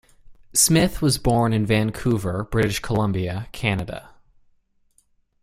Smith was born in Vancouver, British Columbia, Canada.